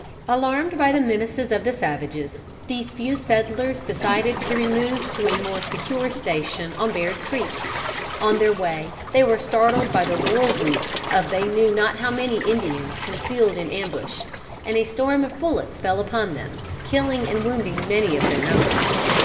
Alarmed by the menaces of the savages, these few settlers decided to remove to a more secure station on Bear's Creek. On their way they were startled by the war whoop of they knew not how many Indians concealed in ambush, and a storm of bullets fell upon them, killing and wounding many of their number.